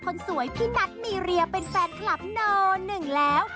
แม่มันแน่นอนจริงที่อาจมีเรียเป็นแฟนคลับโน่นึงแล้ว